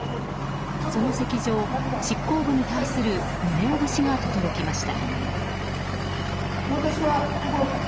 その席上、執行部に対する宗男節がとどろきました。